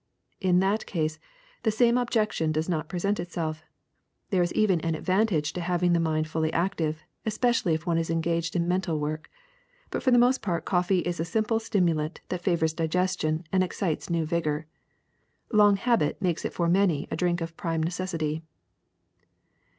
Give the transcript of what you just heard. In that case the same objection does not present itself ; there is even an advantage in having the mind fully active, especially if one is engaged in mental work. But for the most part coffee is a simple stimu lant that favors digestion and excites new vigor. Long habit makes it for many a drink of prime necessity.